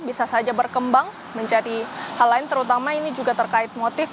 bisa saja berkembang menjadi hal lain terutama ini juga terkait motif